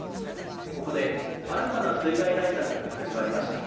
ここで新たな水害対策が始まりました。